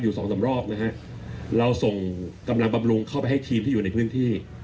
สองสามรอบนะฮะเราส่งกำลังบำรุงเข้าไปให้ทีมที่อยู่ในพื้นที่